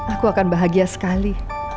aku akan bahagia sekali